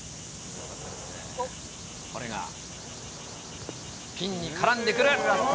これがピンに絡んでくる。